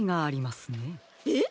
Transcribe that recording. えっ！？